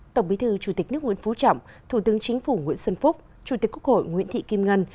tổng bí thư chủ tịch nước nguyễn phú trọng thủ tướng chính phủ nguyễn xuân phúc chủ tịch quốc hội nguyễn thị kim ngân